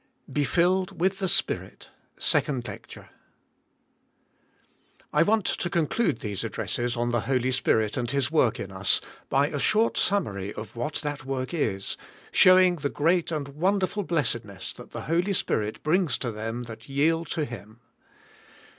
*'JBc f lUeD IKIlttb tbe Spirit/* I want to conclude these addresses on the Holy Spirit and His work in us, by a short summary of what that work is, showing the great and wonderful blessedness that the Holy Spirit brings to them that yield to Him.